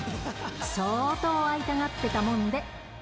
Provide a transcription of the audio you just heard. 相当会いたがってたもんで。